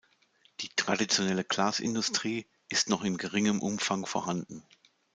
Die traditionelle Glasindustrie ist noch in geringem Umfang vorhanden.